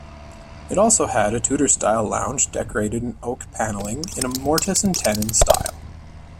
It also had a Tudor-style lounge decorated in oak paneling in a mortise-and-tenon style.